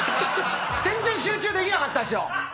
全然集中できなかったですよ！